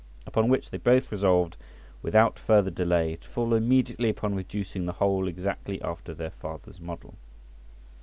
Upon which they both resolved without further delay to fall immediately upon reducing the whole exactly after their father's model.